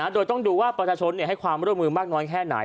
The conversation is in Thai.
โดยต้องดูว่าประชาชนให้ความร่วมมือมากน้อยแค่ไหน